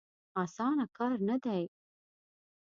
اسانه کار نه دی.